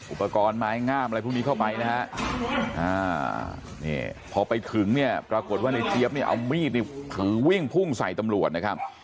อุปกรณ์ไม้งามอะไรพวกนี้เข้าไปนะฮะนี่พอไปถึงเนี่ยปรากฏว่าในเจี๊ยบเนี่ยเอามีดถึงวิ่งพุ่งใส่ตำรวจนะครับ